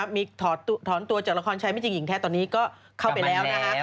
มีถอนตัวจากละครชัยไม่จริงหญิงแท้ตอนนี้ก็เข้าไปแล้วนะคะ